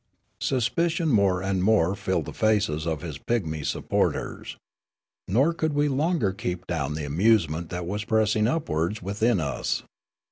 "Suspicion more and more filled the faces of his pigmy supporters. Nor could we longer keep down the amusement that was pressing upwards within us.